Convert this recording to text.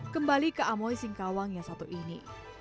kembali ke amoy singkawang yang satu ini